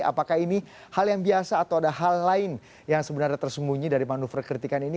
apakah ini hal yang biasa atau ada hal lain yang sebenarnya tersembunyi dari manuver kritikan ini